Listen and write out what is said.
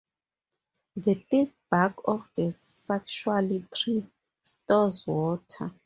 The thick bark of the saxaul tree stores water.